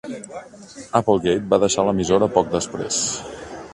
Applegate va deixar l'emissora poc després.